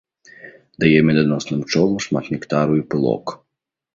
Дае меданосным пчолам шмат нектару і пылок.